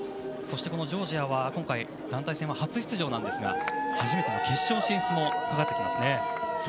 そしてジョージアは今回団体戦は初出場ですが初めての決勝進出も懸かってきますね。